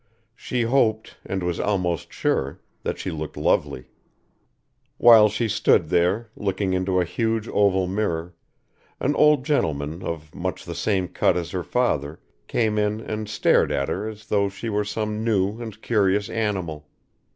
She hoped, and was almost sure, that she looked lovely. While she stood there, looking into a huge oval mirror, an old gentleman of much the same cut as her father came in and stared at her as though she were some new and curious animal.